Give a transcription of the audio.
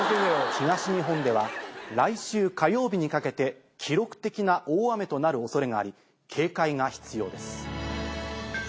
東日本では来週火曜日にかけて記録的な大雨となる恐れがあり警戒が必要です。